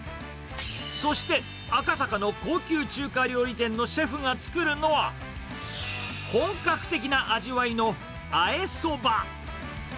そして、赤坂の高級中華料理店のシェフが作るのは、本格的な味わいのあえそば。